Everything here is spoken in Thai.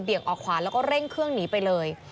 เพื่องหนีไปเลย